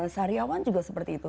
sehari awan juga seperti itu